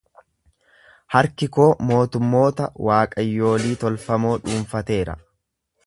Harki koo mootummoota waaqayyolii tolfamoo dhuunfateera.